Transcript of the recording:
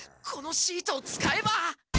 このシートをつかえば。